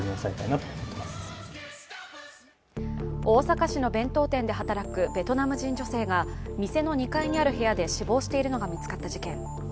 大阪市の弁当店で働くベトナム人女性が店の２階にある部屋で死亡しているのが見つかった事件。